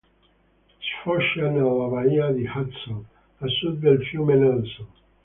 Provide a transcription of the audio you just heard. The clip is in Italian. Sfocia nella baia di Hudson, a sud del fiume Nelson.